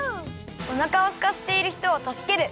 おなかをすかせているひとをたすける！